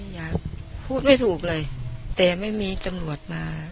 อยากพูดไม่ถูกเลยแต่ไม่มีตำรวจมา